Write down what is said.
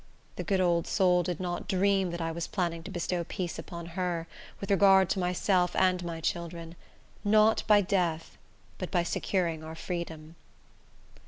The good old soul did not dream that I was planning to bestow peace upon her, with regard to myself and my children; not by death, but by securing our freedom.